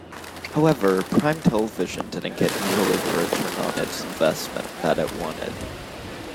However, Prime Television didn't get nearly the return on its investment that it wanted.